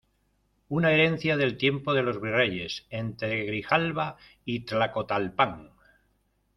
una herencia del tiempo de los virreyes, entre Grijalba y Tlacotalpan.